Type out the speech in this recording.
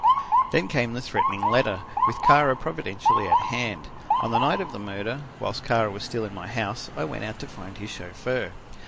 "Then came the threatening letter, with Kara providentially at hand. On the night of the murder, whilst Kara was still in my house, I went out to find his chauffeur.